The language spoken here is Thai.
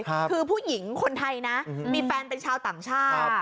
คือผู้หญิงคนไทยนะมีแฟนเป็นชาวต่างชาติ